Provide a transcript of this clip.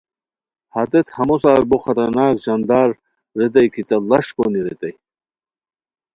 ہتیت ہموسار بو خطرناک ژاندار ریتائے کی تہ ڑاݰ کونی ریتائے